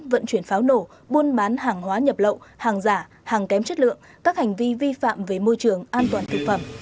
vận chuyển pháo nổ buôn bán hàng hóa nhập lậu hàng giả hàng kém chất lượng các hành vi vi phạm về môi trường an toàn thực phẩm